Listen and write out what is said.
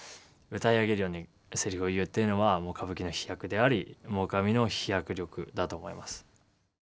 歌い上げるようにセリフを言うっていうのはもう歌舞伎の飛躍であり黙阿弥の飛躍力だと思います。